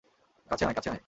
কাছে আয়, কাছে আয়!